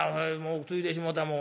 ついでしもうたもん。